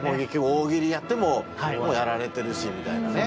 大喜利やってももうやられてるしみたいなね。